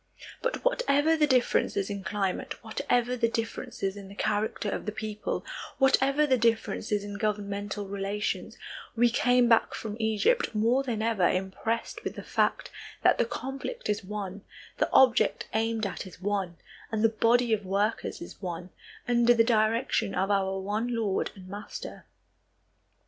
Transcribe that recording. But whatever the differences in climate, whatever the differences in the character of the people, whatever the differences in governmental relations, we came back from Egypt more than ever impressed with the fact that the conflict is one, the object aimed at is one, and the body of workers is one, under the direction of our one Lord and Master.